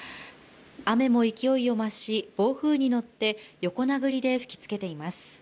雨も勢いを増し、暴風雨に乗って横殴りで吹きつけています。